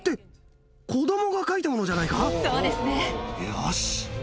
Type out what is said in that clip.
よし。